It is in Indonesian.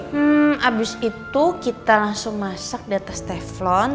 hmm abis itu kita langsung masak di atas teflon